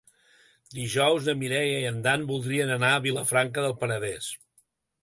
Dijous na Mireia i en Dan voldrien anar a Vilafranca del Penedès.